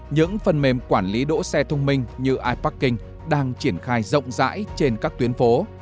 những phần mềm quản lý đỗ xe thông minh như iparking đang triển khai rộng rãi trên các tuyến phố